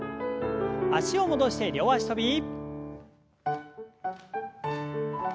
脚を戻して両脚跳び。